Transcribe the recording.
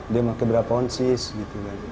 dia pakai berapa onsis gitu kan